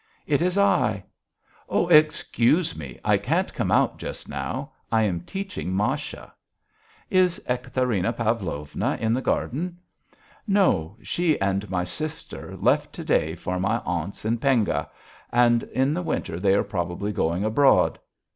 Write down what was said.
"It is I." "Oh! excuse me. I can't come out just now. I am teaching Masha." "Is Ekaterina Pavlovna in the garden?" "No. She and my sister left to day for my Aunt's in Penga, and in the winter they are probably going abroad."